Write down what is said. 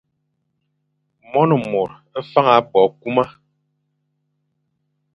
Mone mor faña bo kuma.